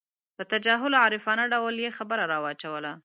په تجاهل عارفانه ډول یې خبره راواچوله.